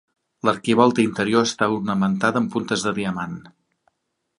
L'arquivolta interior està ornamentada amb puntes de diamant.